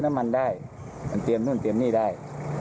รถมันจอดติดถึงเมืองออกไม่ได้